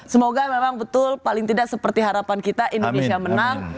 semoga memang betul paling tidak seperti harapan kita indonesia menang